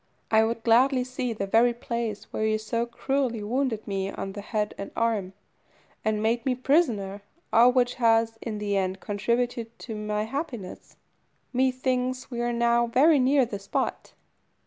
I would gladly see the very place where you so cruelly wounded me on the head and arm, and made me prisoner, all which has, in the end contributed to my happiness. Methinks we are now very near the spot."